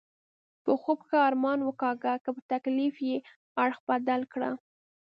په خوب ښه ارمان وکاږه، که په تکلیف یې اړخ بدل کړه.